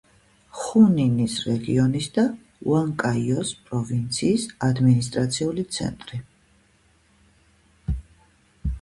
ხუნინის რეგიონის და უანკაიოს პროვინციის ადმინისტრაციული ცენტრი.